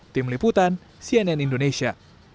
tim liputan cnn indonesia